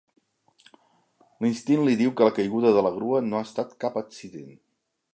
L'instint li diu que la caiguda de la grua no ha estat cap accident.